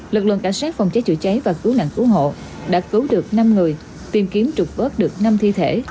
lực lượng cảnh sát phòng cháy chữa cháy và cứu nạn cứu hộ đã cứu được năm người tìm kiếm trục vớt được năm thi thể